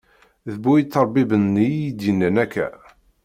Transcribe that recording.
D bu iṭerbiben-nni i yi-d-yennan akka.